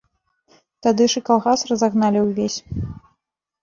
Тады ж і калгас разагналі ўвесь.